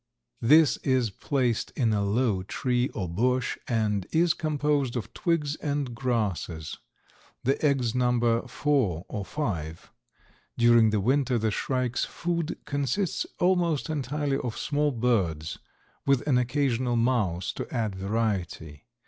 This is placed in a low tree or bush and is composed of twigs and grasses. The eggs number four or five. During the winter the shrike's food consists almost entirely of small birds, with an occasional mouse to add variety.